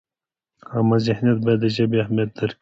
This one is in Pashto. عامه ذهنیت باید د ژبې اهمیت درک کړي.